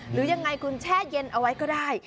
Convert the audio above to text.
หรือยังไงคุณแช่เย็นเอาไว้ก็ได้